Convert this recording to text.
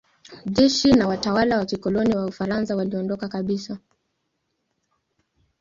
Jeshi na watawala wa kikoloni wa Ufaransa waliondoka kabisa.